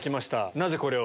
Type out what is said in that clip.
なぜこれを？